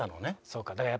そうか。